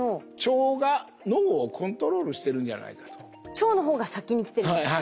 腸の方が先に来てるんですね。